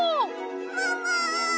もも！